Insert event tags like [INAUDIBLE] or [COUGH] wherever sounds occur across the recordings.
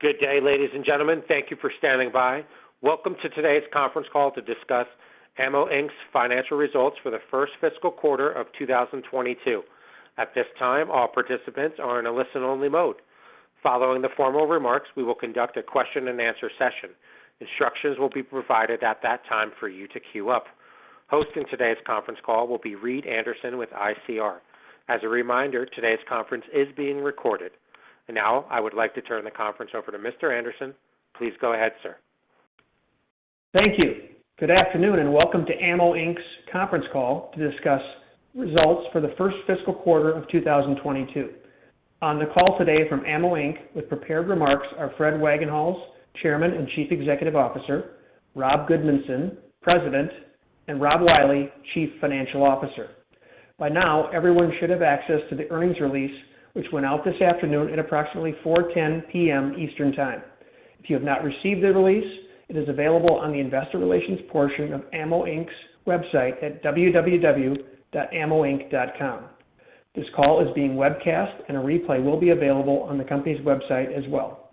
Good day, ladies and gentlemen. Thank you for standing by. Welcome to today's conference call to discuss AMMO, Inc.'s financial results for the first fiscal quarter of 2022. At this time, all participants are in a listen-only mode. Following the formal remarks, we will conduct a question-and-answer session. Instructions will be provided at that time for you to queue up. Hosting today's conference call will be Reed Anderson with ICR. As a reminder, today's conference is being recorded. Now I would like to turn the conference over to Mr. Anderson. Please go ahead, sir. Thank you. Good afternoon, and welcome to AMMO, Inc.'s conference call to discuss results for the first fiscal quarter of 2022. On the call today from AMMO, Inc. with prepared remarks are Fred Wagenhals, Chairman and Chief Executive Officer, Rob Goodmanson, President, and Rob Wiley, Chief Financial Officer. By now, everyone should have access to the earnings release, which went out this afternoon at approximately 4:10 P.M. Eastern Time. If you have not received the release, it is available on the investor relations portion of AMMO, Inc.'s website at www.ammoinc.com. This call is being webcast, and a replay will be available on the company's website as well.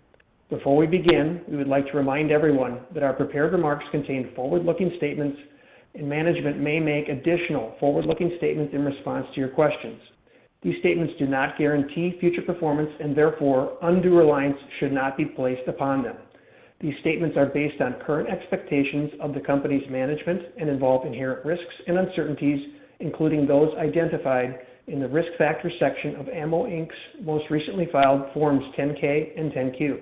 Before we begin, we would like to remind everyone that our prepared remarks contain forward-looking statements, and management may make additional forward-looking statements in response to your questions. These statements do not guarantee future performance, and therefore, undue reliance should not be placed upon them. These statements are based on current expectations of the company's management and involve inherent risks and uncertainties, including those identified in the Risk Factors section of AMMO, Inc.'s most recently filed Forms 10-K and 10-Q.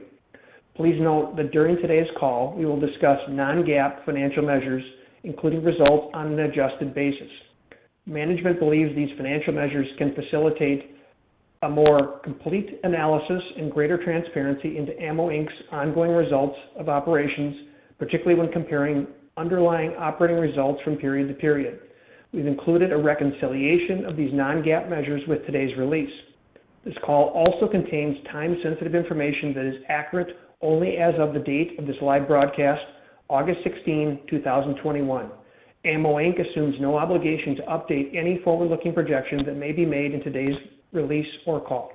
Please note that during today's call, we will discuss non-GAAP financial measures, including results on an adjusted basis. Management believes these financial measures can facilitate a more complete analysis and greater transparency into AMMO, Inc.'s ongoing results of operations, particularly when comparing underlying operating results from period to period. We've included a reconciliation of these non-GAAP measures with today's release. This call also contains time-sensitive information that is accurate only as of the date of this live broadcast, August 16, 2021. AMMO, Inc. assumes no obligation to update any forward-looking projections that may be made in today's release or call.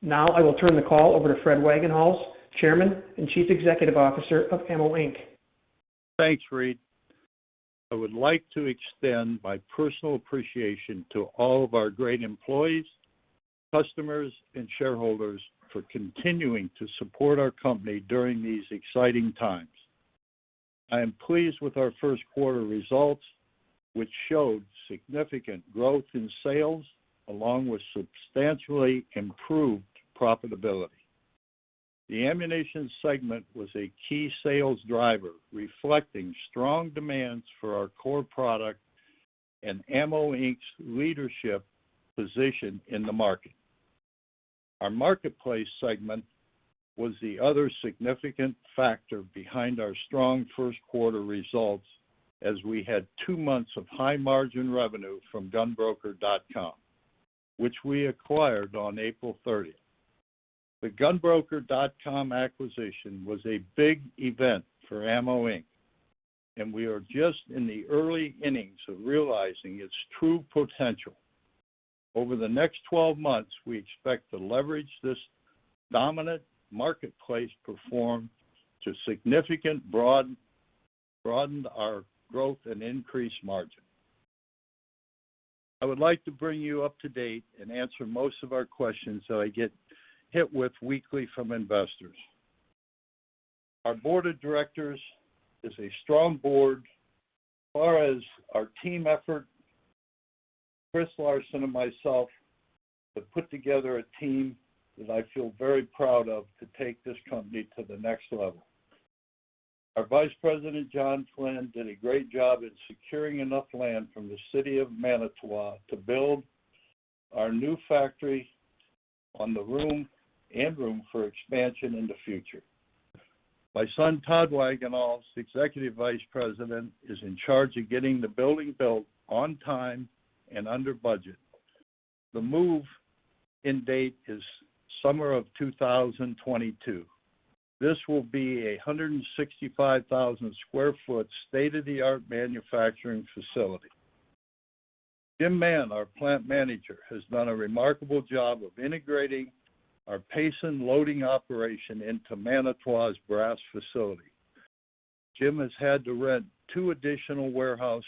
Now, I will turn the call over to Fred Wagenhals, Chairman and Chief Executive Officer of AMMO, Inc. Thanks, Reed. I would like to extend my personal appreciation to all of our great employees, customers, and shareholders for continuing to support our company during these exciting times. I am pleased with our first quarter results, which showed significant growth in sales, along with substantially improved profitability. The ammunition segment was a key sales driver, reflecting strong demands for our core product and AMMO, Inc.'s leadership position in the market. Our Marketplace segment was the other significant factor behind our strong first quarter results as we had two months of high-margin revenue from GunBroker.com, which we acquired on April 30th. The GunBroker.com acquisition was a big event for AMMO, Inc. and we are just in the early innings of realizing its true potential. Over the next 12 months, we expect to leverage this dominant Marketplace platform to significant broadened our growth and increase margin. I would like to bring you up to date and answer most of our questions that I get hit with weekly from investors. Our board of directors is a strong board. As far as our team effort, Chris Larson and myself have put together a team that I feel very proud of to take this company to the next level. Our Vice President, John Flynn, did a great job at securing enough land from the city of Manitowoc to build our new factory on the room and room for expansion in the future. My son, Tod Wagenhals, Executive Vice President, is in charge of getting the building built on time and under budget. The move-in date is summer of 2022. This will be a 165,000 sq ft state-of-the-art manufacturing facility. Jim Mann, our Plant Manager, has done a remarkable job of integrating our casing loading operation into Manitowoc's brass facility. Jim has had to rent two additional warehouse,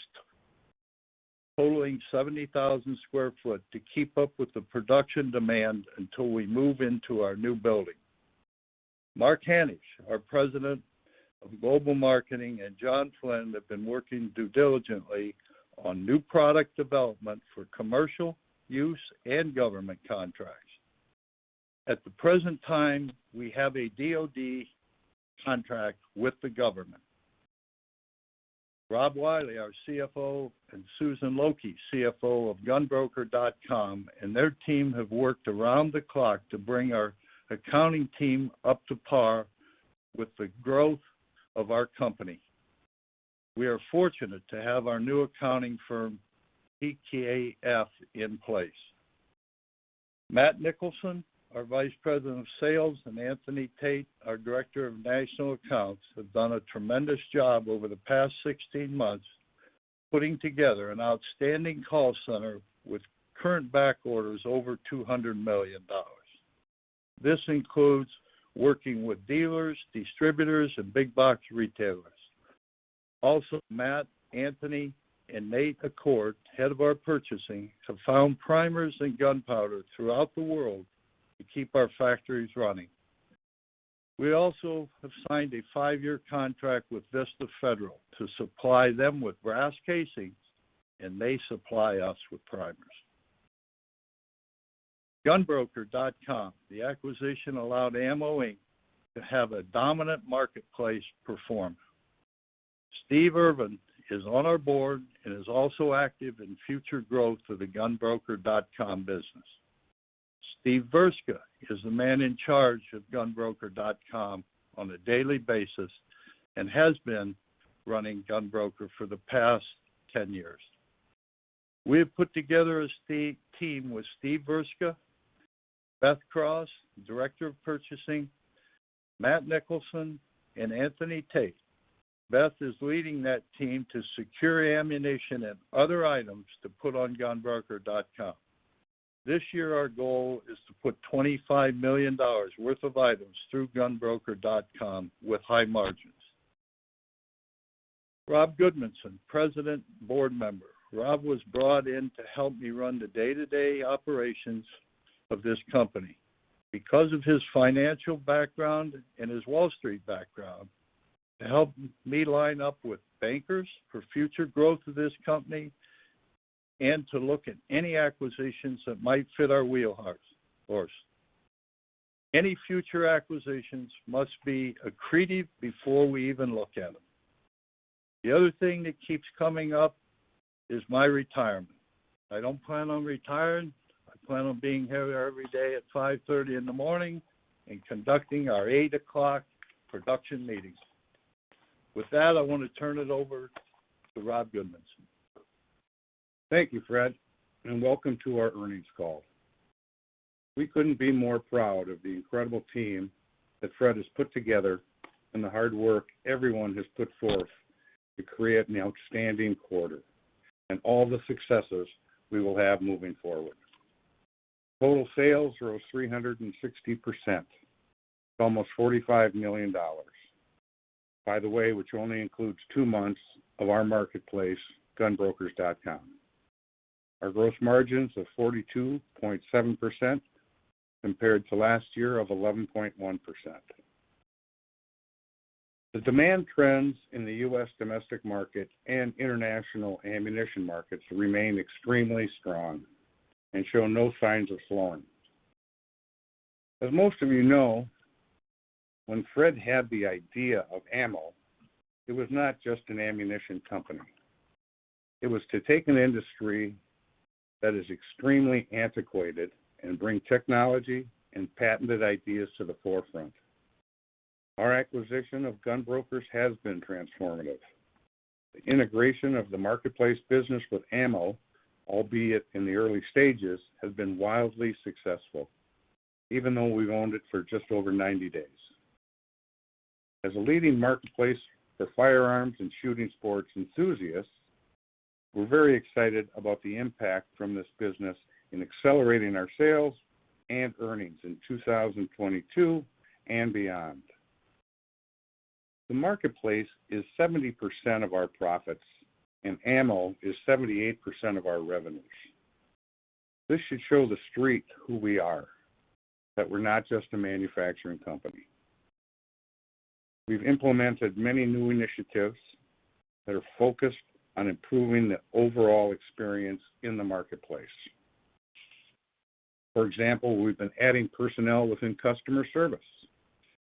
totaling 70,000 sq ft, to keep up with the production demand until we move into our new building. Mark Hanish, our President of Global Marketing, and John Flynn have been working due diligently on new product development for commercial use and government contracts. At the present time, we have a DoD contract with the government. Rob Wiley, our CFO, and Susan Lokey, CFO of GunBroker.com, and their team have worked around the clock to bring our accounting team up to par with the growth of our company. We are fortunate to have our new accounting firm, PKF, in place. Matt Nicholson, our Vice President of Sales, and Anthony Tate, our Director of National Accounts, have done a tremendous job over the past 16 months putting together an outstanding call center with current back orders over $200 million. This includes working with dealers, distributors, and big box retailers. Also, Matt, Anthony, and Nate Accortt, head of our purchasing, have found primers and gunpowder throughout the world to keep our factories running. We also have signed a five-year contract with Vista/Federal to supply them with brass casings, and they supply us with primers. GunBroker.com, the acquisition allowed Ammo Inc. to have a dominant marketplace platform. Steve Urvan is on our board and is also active in future growth of the GunBroker.com business. Steve Urvan is the man in charge of GunBroker.com on a daily basis and has been running GunBroker for the past 10 years. We have put together a deep team with Steve Urvan, Beth Cross, director of purchasing, Matt Nicholson, and Anthony Tate. Beth is leading that team to secure ammunition and other items to put on GunBroker.com. This year, our goal is to put $25 million worth of items through GunBroker.com with high margins. Rob Goodmanson, president and board member. Rob was brought in to help me run the day-to-day operations of this company because of his financial background and his Wall Street background, to help me line up with bankers for future growth of this company, and to look at any acquisitions that might fit our wheelhouse. Any future acquisitions must be accretive before we even look at them. The other thing that keeps coming up is my retirement. I don't plan on retiring. I plan on being here every day at 5:30 A.M. in the morning and conducting our 8:00 A.M. production meetings. With that, I want to turn it over to Rob Goodmanson. Thank you, Fred, and welcome to our earnings call. We couldn't be more proud of the incredible team that Fred has put together and the hard work everyone has put forth to create an outstanding quarter, and all the successes we will have moving forward. Total sales rose 360%, to almost $45 million. By the way, which only includes two months of our marketplace, GunBroker.com. Our gross margins of 42.7%, compared to last year of 11.1%. The demand trends in the U.S. domestic market and international ammunition markets remain extremely strong and show no signs of slowing. As most of you know, when Fred had the idea of AMMO, it was not just an ammunition company. It was to take an industry that is extremely antiquated and bring technology and patented ideas to the forefront. Our acquisition of GunBroker has been transformative. The integration of the Marketplace business with Ammo, albeit in the early stages, has been wildly successful, even though we've owned it for just over 90 days. As a leading Marketplace for firearms and shooting sports enthusiasts, we're very excited about the impact from this business in accelerating our sales and earnings in 2022 and beyond. The marketplace is 70% of our profits, and Ammo is 78% of our revenues. This should show the street who we are, that we're not just a manufacturing company. We've implemented many new initiatives that are focused on improving the overall experience in the marketplace. For example, we've been adding personnel within customer service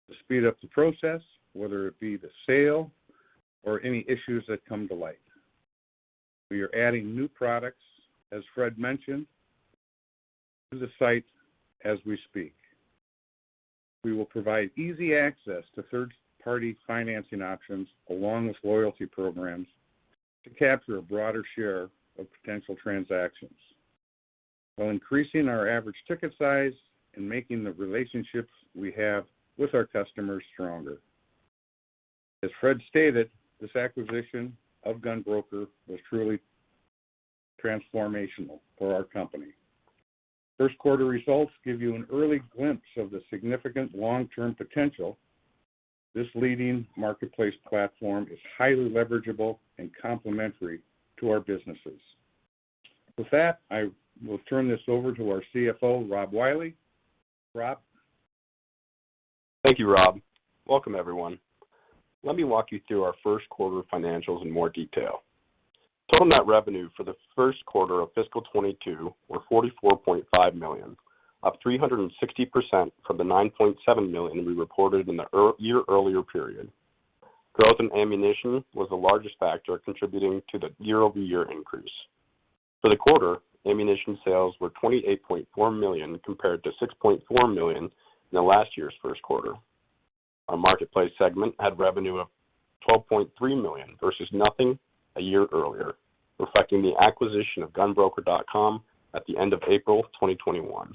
to speed up the process, whether it be the sale or any issues that come to light. We are adding new products, as Fred mentioned, to the site as we speak. We will provide easy access to third-party financing options, along with loyalty programs to capture a broader share of potential transactions, while increasing our average ticket size and making the relationships we have with our customers stronger. As Fred stated, this acquisition of GunBroker was truly transformational for our company. First quarter results give you an early glimpse of the significant long-term potential. This leading marketplace platform is highly leverageable and complementary to our businesses. With that, I will turn this over to our CFO, Rob Wiley. Rob? Thank you, Rob. Welcome, everyone. Let me walk you through our first quarter financials in more detail. Total net revenue for the first quarter of fiscal 2022 were $44.5 million, up 360% from the $9.7 million we reported in the year-earlier period. Growth in ammunition was the largest factor contributing to the year-over-year increase. For the quarter, ammunition sales were $28.4 million, compared to $6.4 million in last year's first quarter. Our Marketplace segment had revenue of $12.3 million versus nothing a year earlier, reflecting the acquisition of GunBroker.com at the end of April 2021.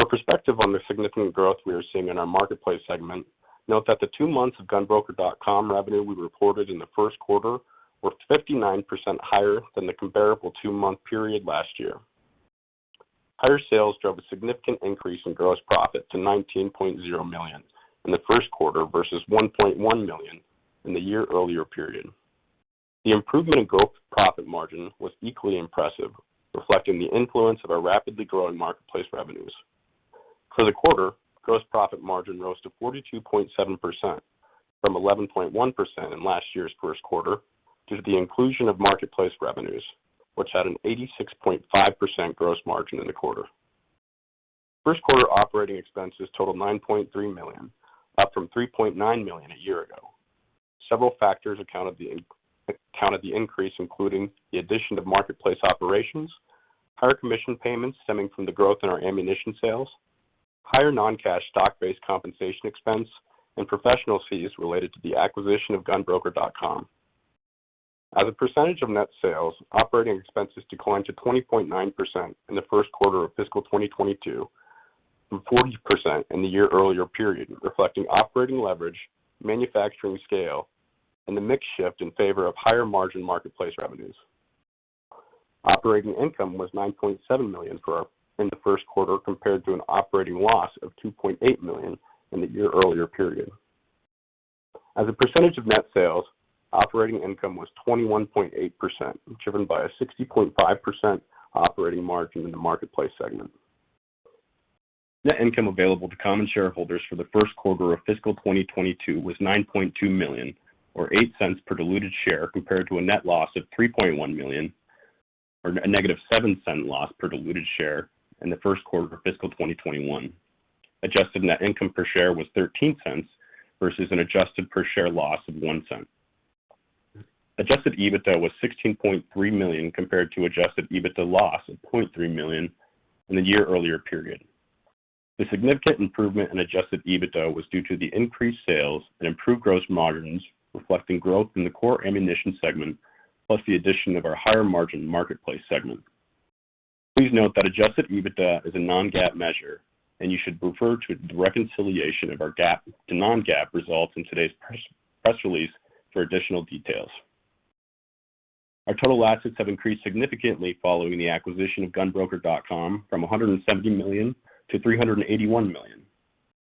For perspective on the significant growth we are seeing in our Marketplace segment, note that the two months of GunBroker.com revenue we reported in the first quarter were 59% higher than the comparable two-month period last year. Higher sales drove a significant increase in gross profit to $19.0 million in the first quarter versus $1.1 million in the year-earlier period. The improvement in gross profit margin was equally impressive, reflecting the influence of our rapidly growing Marketplace revenues. For the quarter, gross profit margin rose to 42.7%, from 11.1% in last year's first quarter, due to the inclusion of Marketplace revenues, which had an 86.5% gross margin in the quarter. First quarter operating expenses totaled $9.3 million, up from $3.9 million a year ago. Several factors accounted the increase, including the addition of Marketplace operations, higher commission payments stemming from the growth in our ammunition sales, higher non-cash stock-based compensation expense, and professional fees related to the acquisition of GunBroker.com. As a percentage of net sales, operating expenses declined to 20.9% in the first quarter of fiscal 2022, from 40% in the year-earlier period, reflecting operating leverage, manufacturing scale, and the mix shift in favor of higher margin Marketplace revenues. Operating income was $9.7 million in the first quarter compared to an operating loss of $2.8 million in the year-earlier period. As a percentage of net sales, operating income was 21.8%, driven by a 60.5% operating margin in the Marketplace segment. Net income available to common shareholders for the first quarter of fiscal 2022 was $9.2 million or $0.08 per diluted share compared to a net loss of $3.1 million or a -$0.07 loss per diluted share in the first quarter of fiscal 2021. Adjusted net income per share was $0.13 versus an adjusted per share loss of $0.01. Adjusted EBITDA was $16.3 million compared to adjusted EBITDA loss of $0.3 million in the year-earlier period. The significant improvement in adjusted EBITDA was due to the increased sales and improved gross margins reflecting growth in the core ammunition segment, plus the addition of our higher margin Marketplace segment. Please note that adjusted EBITDA is a non-GAAP measure, and you should refer to the reconciliation of our GAAP to non-GAAP results in today's press release for additional details. Our total assets have increased significantly following the acquisition of GunBroker.com from $170 million to $381 million.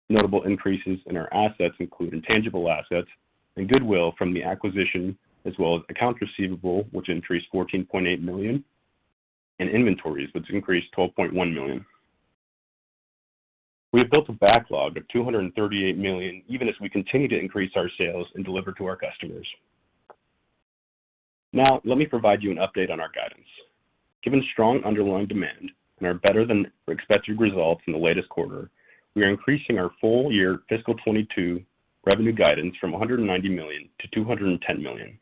Notable increases in our assets include intangible assets and goodwill from the acquisition, as well as accounts receivable, which increased to $14.8 million, and inventories, which increased to $12.1 million. We have built a backlog of $238 million even as we continue to increase our sales and deliver to our customers. Let me provide you an update on our guidance. Given strong underlying demand and our better-than-expected results in the latest quarter, we are increasing our full year fiscal 2022 revenue guidance from $190 million-$210 million.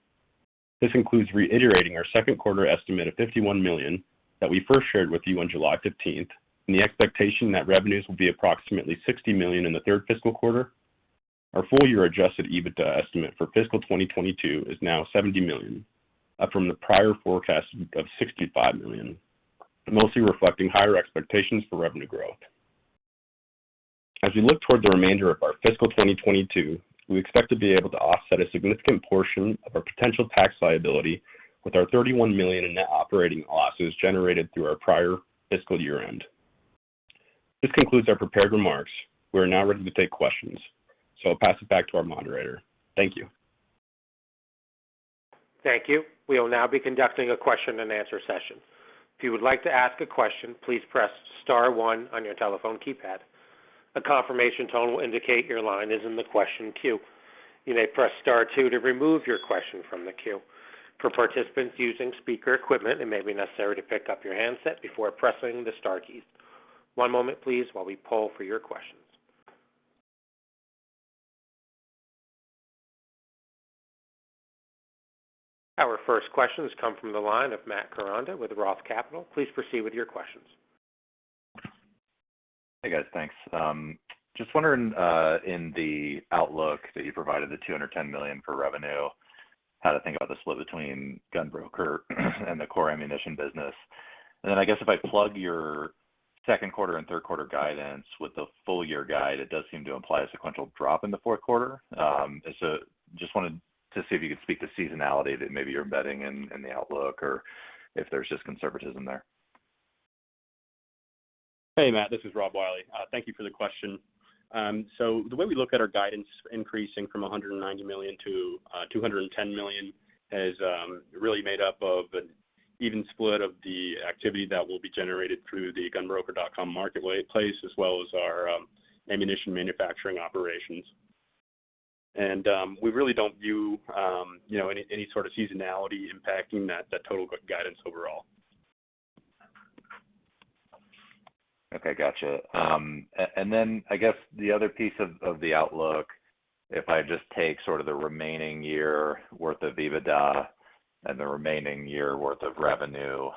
This includes reiterating our second quarter estimate of $51 million that we first shared with you on July 15th, and the expectation that revenues will be approximately $60 million in the third fiscal quarter. Our full-year adjusted EBITDA estimate for fiscal 2022 is now $70 million, up from the prior forecast of $65 million, mostly reflecting higher expectations for revenue growth. As we look toward the remainder of our fiscal 2022, we expect to be able to offset a significant portion of our potential tax liability with our $31 million in net operating losses generated through our prior fiscal year-end. This concludes our prepared remarks. We are now ready to take questions, so I'll pass it back to our moderator. Thank you. Our first questions come from the line of Matt Koranda with Roth Capital. Please proceed with your questions. Hey, guys. Thanks. Just wondering in the outlook that you provided the $210 million for revenue, how to think about the split between GunBroker and the core ammunition business. I guess if I plug your second quarter and third quarter guidance with the full year guide, it does seem to imply a sequential drop in the fourth quarter. Just wanted to see if you could speak to seasonality that maybe you're embedding in the outlook or if there's just conservatism there. Matt, this is Rob Wiley. Thank you for the question. The way we look at our guidance increasing from $190 million-$210 million is really made up of an even split of the activity that will be generated through the GunBroker.com Marketplace, as well as our ammunition manufacturing operations. We really don't view any sort of seasonality impacting that total guidance overall. Okay, gotcha. Then I guess the other piece of the outlook, if I just take sort of the remaining year worth of EBITDA and the remaining year worth of revenue,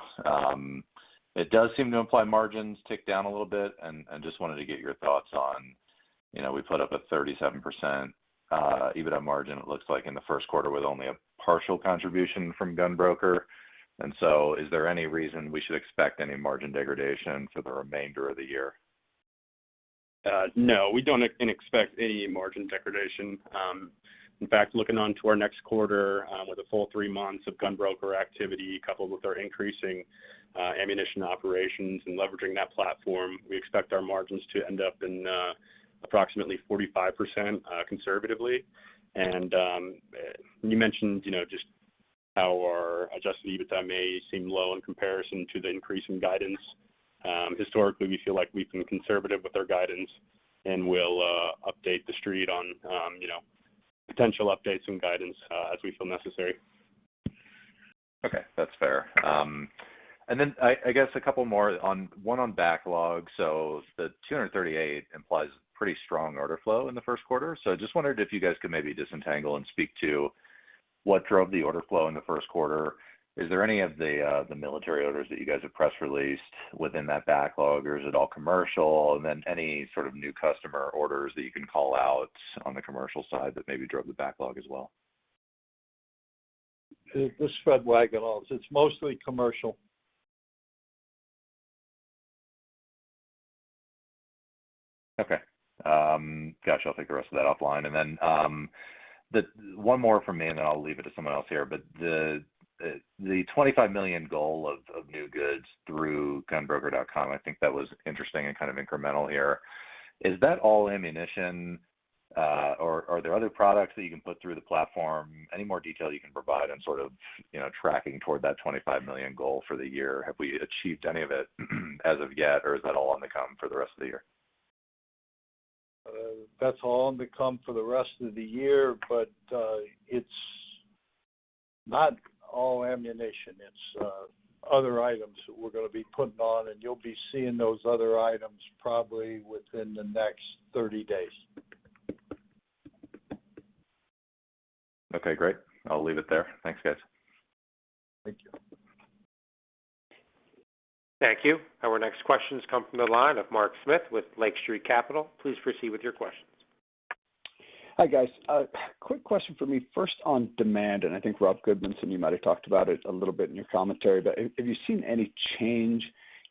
it does seem to imply margins tick down a little bit, and just wanted to get your thoughts on We put up a 37% EBITDA margin, it looks like in the first quarter with only a partial contribution from GunBroker. Is there any reason we should expect any margin degradation for the remainder of the year? No, we don't expect any margin degradation. In fact, looking on to our next quarter, with a full three months of GunBroker activity, coupled with our increasing ammunition operations and leveraging that platform, we expect our margins to end up in approximately 45%, conservatively. You mentioned just how our adjusted EBITDA may seem low in comparison to the increase in guidance. Historically, we feel like we've been conservative with our guidance, and we'll update the Street on potential updates and guidance as we feel necessary. Okay. That's fair. I guess two more. One on backlog. The 238 implies pretty strong order flow in the first quarter. I just wondered if you guys could maybe disentangle and speak to what drove the order flow in the first quarter. Is there any of the military orders that you guys have press released within that backlog, or is it all commercial? Any sort of new customer orders that you can call out on the commercial side that maybe drove the backlog as well? This is Fred Wagenhals. It's mostly commercial. Okay. Got you. I'll take the rest of that offline. One more from me, and then I'll leave it to someone else here. The $25 million goal of new goods through GunBroker.com, I think that was interesting and kind of incremental here. Is that all ammunition, or are there other products that you can put through the platform? Any more detail you can provide on sort of tracking toward that $25 million goal for the year? Have we achieved any of it as of yet, or is that all on the come for the rest of the year? That's all to come for the rest of the year but it's not all ammunition. It's other items that we're going to be putting on, and you'll be seeing those other items probably within the next 30 days. Okay, great. I'll leave it there. Thanks, guys. Thank you. Thank you. Our next questions come from the line of Mark Smith with Lake Street Capital. Please proceed with your questions. Hi, guys. A quick question for me, first on demand, and I think, Rob Goodmanson, you might have talked about it a little bit in your commentary. Have you seen any change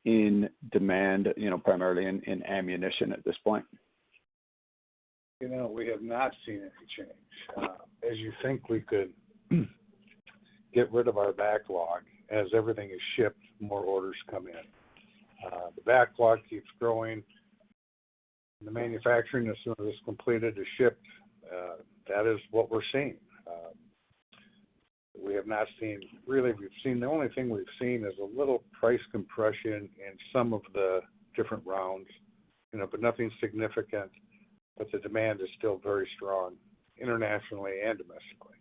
in demand, primarily in ammunition at this point? We have not seen any change. As you think we could get rid of our backlog, as everything is shipped, more orders come in. The backlog keeps growing. The manufacturing, as soon as it's completed, is shipped. That is what we're seeing. The only thing we've seen is a little price compression in some of the different rounds. Nothing significant. The demand is still very strong, internationally and domestically.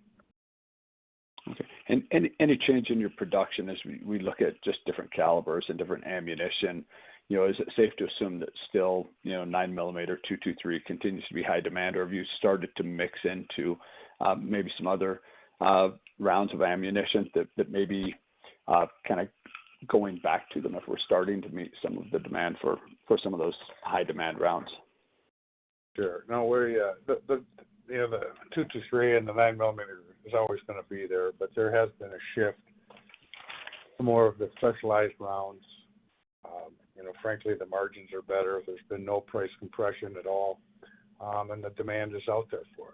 Okay. Any change in your production as we look at just different calibers and different ammunition? Is it safe to assume that still 9 mm, 223 continues to be high demand, or have you started to mix into maybe some other rounds of ammunition that may be kind of going back to them as we're starting to meet some of the demand for some of those high-demand rounds? Sure. The 223 and the 9 mm is always going to be there, but there has been a shift to more of the specialized rounds. Frankly, the margins are better. There's been no price compression at all. The demand is out there for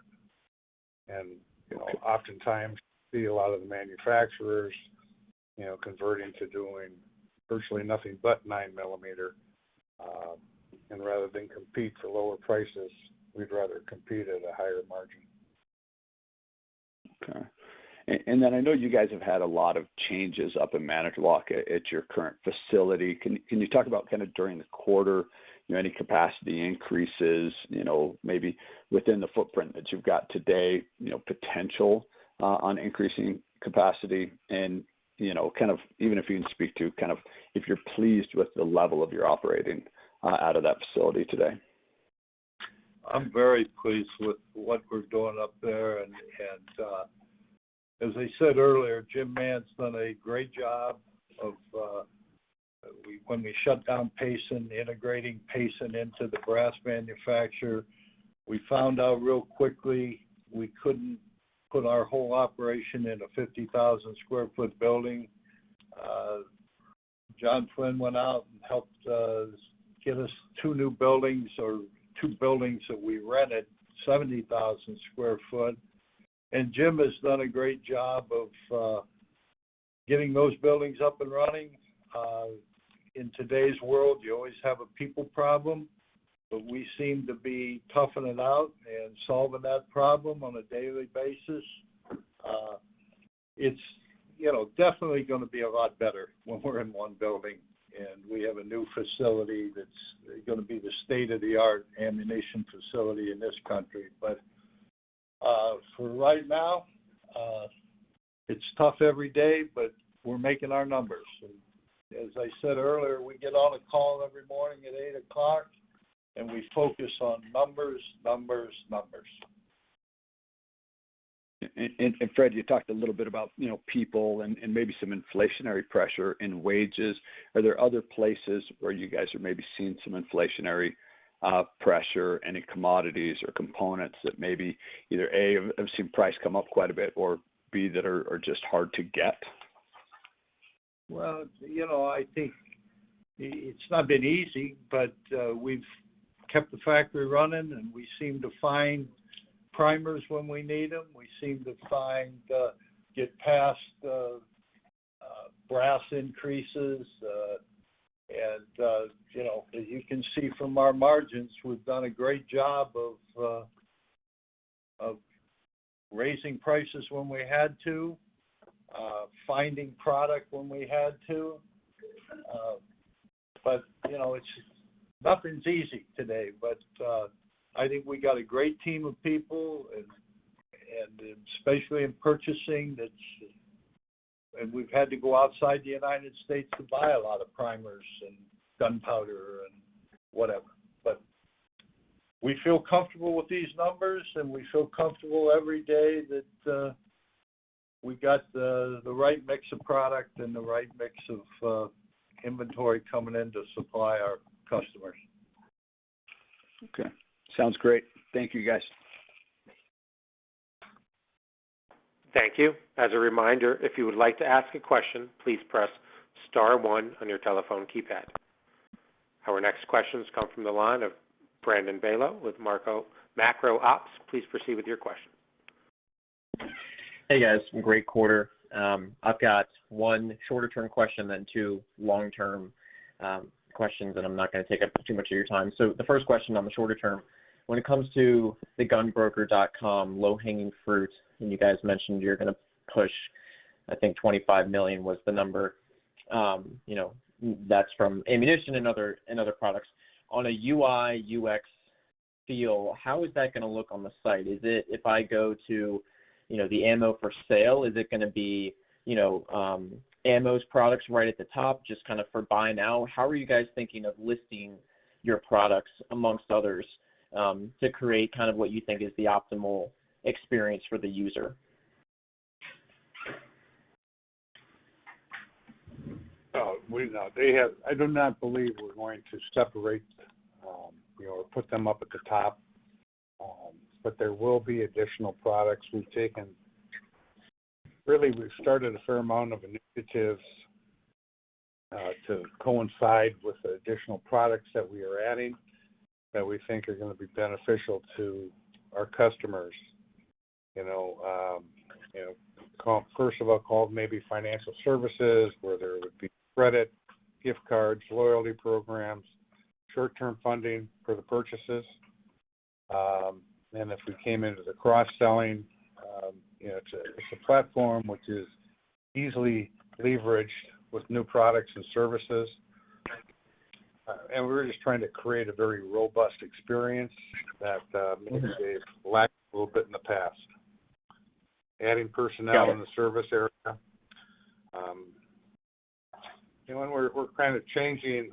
it. Oftentimes, you see a lot of the manufacturers converting to doing virtually nothing but 9mm. Rather than compete for lower prices, we'd rather compete at a higher margin. Okay. I know you guys have had a lot of changes up in Manitowoc at your current facility. Can you talk about kind of during the quarter, any capacity increases, maybe within the footprint that you've got today, potential on increasing capacity, and even if you can speak to if you're pleased with the level of your operating out of that facility today? I'm very pleased with what we're doing up there. As I said earlier, Jim Mann's done a great job of when we shut down Payson, integrating Payson into the brass manufacturer. We found out real quickly we couldn't put our whole operation in a 50,000 sq ft building. John Flynn went out and helped get us two new buildings, or two buildings that we rented, 70,000 sq ft. Jim has done a great job of getting those buildings up and running. In today's world, you always have a people problem but we seem to be toughing it out and solving that problem on a daily basis. It's definitely going to be a lot better when we're in one building, and we have a new facility that's going to be the state-of-the-art ammunition facility in this country. For right now, it's tough every day but we're making our numbers. As I said earlier, we get on a call every morning at 8:00, and we focus on numbers, numbers, numbers. Fred, you talked a little bit about people and maybe some inflationary pressure in wages. Are there other places where you guys are maybe seeing some inflationary pressure, any commodities or components that maybe either, A, have seen price come up quite a bit, or B, that are just hard to get? Well, I think it's not been easy but we've kept the factory running, and we seem to find primers when we need them. We seem to get past brass increases. As you can see from our margins, we've done a great job of raising prices when we had to, finding product when we had to. Nothing's easy today. I think we got a great team of people, and especially in purchasing. We've had to go outside the U.S. to buy a lot of primers and gunpowder and whatever. We feel comfortable with these numbers, and we feel comfortable every day that we got the right mix of product and the right mix of inventory coming in to supply our customers. Okay. Sounds great. Thank you, guys. Thank you. As a reminder, if you would like to ask a question, please press star one on your telephone keypad. Our next questions come from the line of Brandon Beylo with Macro Ops. Please proceed with your question. Hey, guys. Great quarter. I've got one shorter-term question then two long-term questions. I'm not going to take up too much of your time. The first question on the shorter term, when it comes to GunBroker.com, low-hanging fruit. You guys mentioned you're going to push, I think $25 million was the number, that's from ammunition and other products. On a UI/UX feel, how is that going to look on the site? If I go to the ammo for sale, is it going to be AMMO's products right at the top, just kind of for buy now? How are you guys thinking of listing your products amongst others, to create what you think is the optimal experience for the user? I do not believe we're going to separate or put them up at the top. There will be additional products. Really, we've started a fair amount of initiatives to coincide with the additional products that we are adding, that we think are going to be beneficial to our customers. First of all, call it maybe financial services, whether it would be credit, gift cards, loyalty programs, short-term funding for the purchases. If we came into the cross-selling, it's a platform which is easily leveraged with new products and services. We're just trying to create a very robust experience that maybe they've lacked a little bit in the past. Adding personnel. Got it. in the service area. We're kind of changing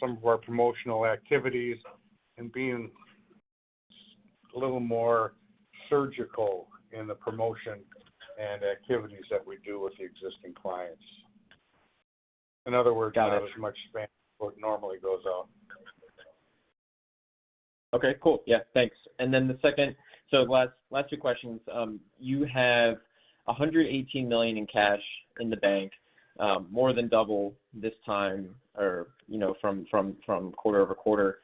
some of our promotional activities, and being a little more surgical in the promotion and activities that we do with the existing clients. Got it. [CROSSTALK] not as much expansion as what normally goes on. Okay, cool. Yeah, thanks. The second, last two questions. You have $118 million in cash in the bank, more than double this time from quarter-over-quarter.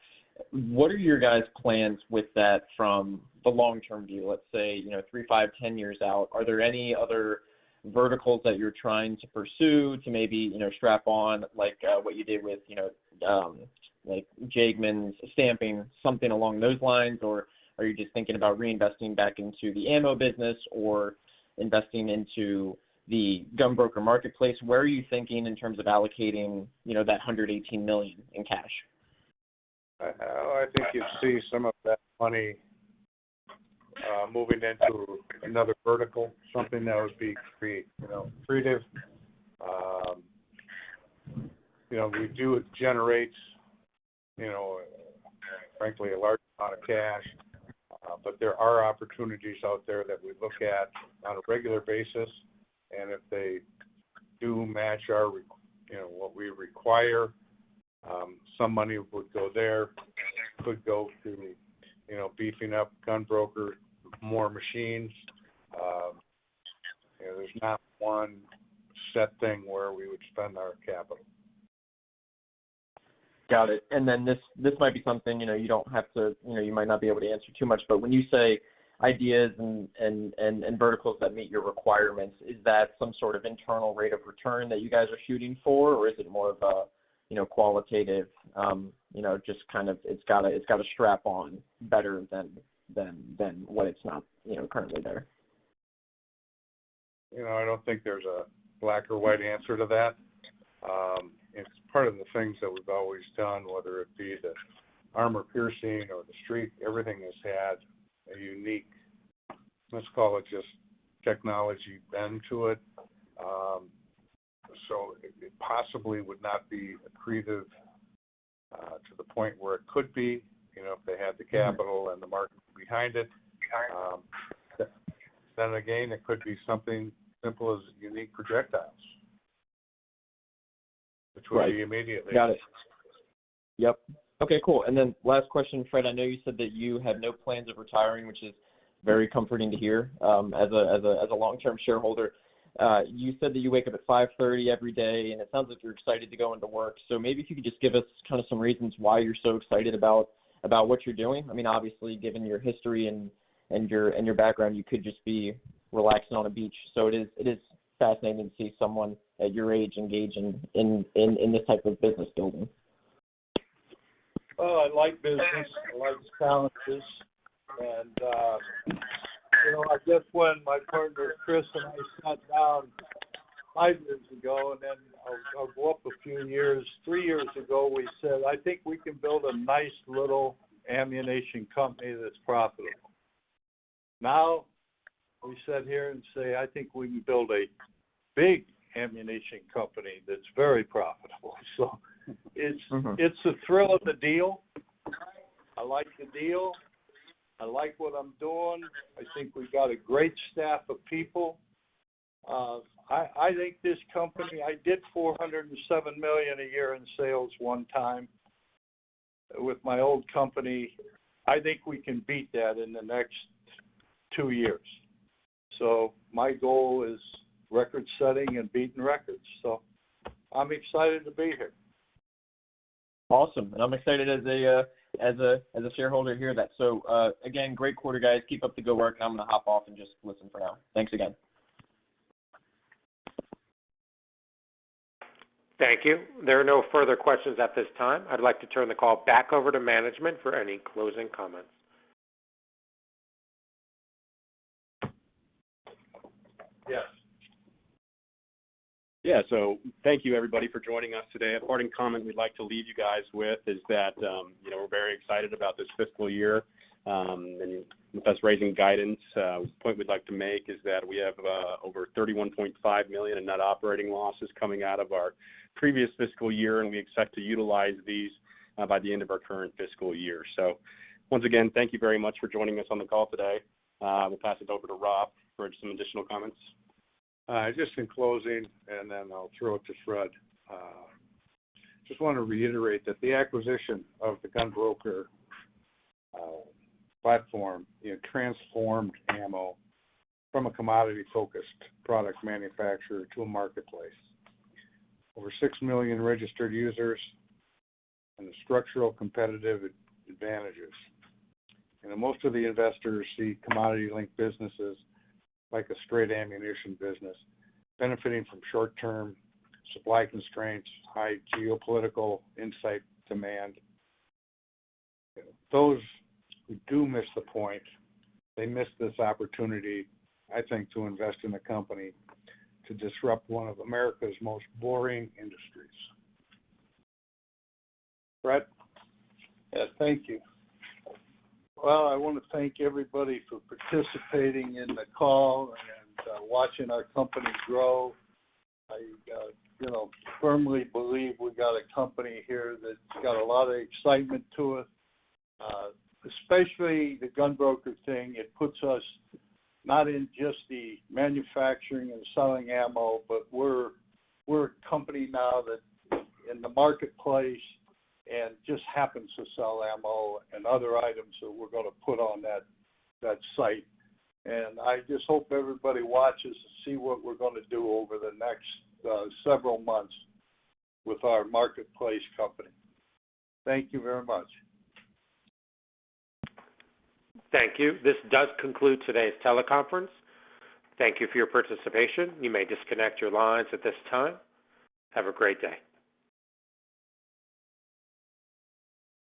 What are your guys' plans with that from the long-term view? Let's say three, five, 10 years out. Are there any other verticals that you're trying to pursue to maybe strap on, like what you did with Jagemann Stamping, something along those lines? Or are you just thinking about reinvesting back into the AMMO business, or investing into the GunBroker Marketplace? Where are you thinking in terms of allocating that $118 million in cash? I think you'll see some of that money moving into another vertical, something that would be accretive. We do generate, frankly, a large amount of cash. There are opportunities out there that we look at on a regular basis, and if they do match what we require, some money would go there, and it could go to beefing up GunBroker with more machines. There's not one set thing where we would spend our capital. Got it. This might be something you might not be able to answer too much, but when you say ideas and verticals that meet your requirements, is that some sort of internal rate of return that you guys are shooting for, or is it more of a qualitative, just kind of it's got to strap on better than what it's not currently there? I don't think there's a black or white answer to that. It's part of the things that we've always done, whether it be the armor piercing or the Streak, everything has had a unique, let's call it just technology bend to it. It possibly would not be accretive. The point where it could be, if they had the capital and the market behind it. Again, it could be something simple as unique projectiles. Right immediately. Got it. Yep. Okay, cool. Last question, Fred. I know you said that you had no plans of retiring, which is very comforting to hear, as a long-term shareholder. You said that you wake up at 5:30 every day, and it sounds like you're excited to go into work. Maybe if you could just give us kind of some reasons why you're so excited about what you're doing. Obviously, given your history and your background, you could just be relaxing on a beach. It is fascinating to see someone at your age engaging in this type of business building. Well, I like business, I like challenges. I guess when my partner Chris, and I, sat down five years ago, then I'll go up a few years, three years ago, we said, I think we can build a nice little ammunition company that's profitable. Now we sit here and say, I think we can build a big ammunition company that's very profitable. it's the thrill of the deal. I like the deal. I like what I'm doing. I think we've got a great staff of people. I think this company, I did $407 million a year in sales one time with my old company. My goal is record-setting and beating records, so I'm excited to be here. Awesome. I'm excited as a shareholder to hear that. Again, great quarter, guys. Keep up the good work. I'm going to hop off and just listen for now. Thanks again. Thank you. There are no further questions at this time. I'd like to turn the call back over to management for any closing comments. Yes. Yeah. Thank you everybody for joining us today. A parting comment we'd like to leave you guys with is that, we're very excited about this fiscal year, and with us raising guidance, a point we'd like to make is that we have over $31.5 million in net operating losses coming out of our previous fiscal year, and we expect to utilize these by the end of our current fiscal year. Once again, thank you very much for joining us on the call today. I will pass it over to Rob for some additional comments. Just in closing, I'll throw it to Fred. Just want to reiterate that the acquisition of the GunBroker platform transformed AMMO from a commodity-focused product manufacturer to a Marketplace. Over six million registered users, the structural competitive advantages. I know most of the investors see commodity link businesses like a straight ammunition business benefiting from short-term supply constraints, high geopolitical insight demand. Those who do miss the point, they miss this opportunity, I think, to invest in a company to disrupt one of America's most boring industries. Fred? Yeah. Thank you. Well, I want to thank everybody for participating in the call and watching our company grow. I firmly believe we got a company here that's got a lot of excitement to it, especially the GunBroker thing. It puts us not in just the manufacturing and selling ammo but we're a company now that in the Marketplace and just happens to sell ammo and other items that we're going to put on that site. I just hope everybody watches to see what we're going to do over the next several months with our Marketplace company. Thank you very much. Thank you. This does conclude today's teleconference. Thank you for your participation. You may disconnect your lines at this time. Have a great day.